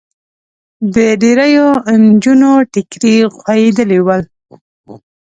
د ډېریو نجونو ټیکري خوېدلي ول.